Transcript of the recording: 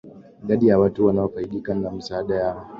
idadi ya watu wanaofaidika na misaada yao